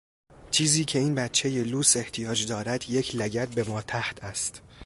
چیزی که این بچهی لوس احتیاج دارد یک لگد به ماتحت است.